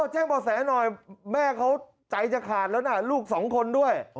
แจ้งบ่อแสหน่อยแม่เขาใจจะขาดแล้วนะลูกสองคนด้วย